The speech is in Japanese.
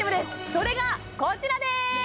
それがこちらです